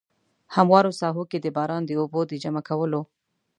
هموارو ساحو کې د باران د اوبو د جمع کولو.